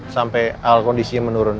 sampai al kondisinya menurun